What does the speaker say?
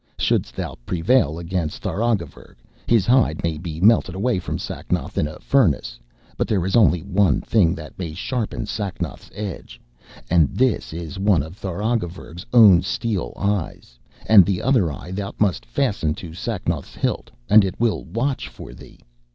Shouldst thou prevail against Tharagavverug, his hide may be melted away from Sacnoth in a furnace; but there is only one thing that may sharpen Sacnoth's edge, and this is one of Tharagavverug's own steel eyes; and the other eye thou must fasten to Sacnoth's hilt, and it will watch for thee.